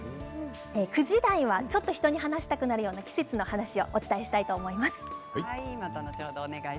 ９時台はちょっと人に話したくなるような季節の話をお伝えしたいと思います。